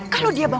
kalau dia keluar